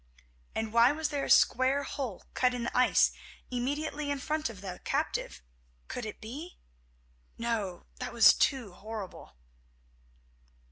And why was there a square hole cut in the ice immediately in front of the captive? Could it be—no, that was too horrible.